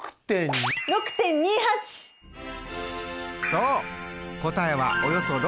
そう！